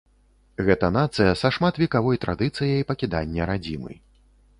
Гэта нацыя са шматвекавой традыцыяй пакідання радзімы.